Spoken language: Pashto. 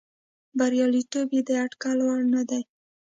بریالیتوب یې د اټکل وړ نه دی.